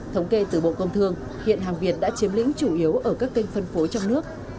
thống kê từ bộ công thương hiện hàng việt đã chiếm lĩnh chủ yếu ở các kênh phân phối trong nước